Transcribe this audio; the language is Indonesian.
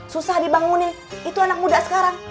susah dibangunin itu anak muda sekarang